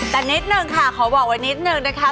แต่นิดนึงค่ะขอบอกไว้นิดนึงนะคะ